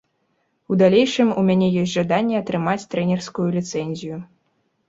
У далейшым у мяне ёсць жаданне атрымаць трэнерскую ліцэнзію.